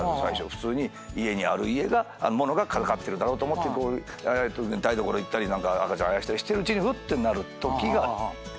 普通に家にある物が掛かってるだろうと思って台所行ったり赤ちゃんあやしたりしてるうちにふってなるときが楽しいですね。